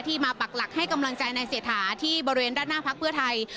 มาปักหลักให้กำลังใจนายเศรษฐาที่บริเวณด้านหน้าพักเพื่อไทย